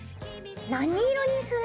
何色にする？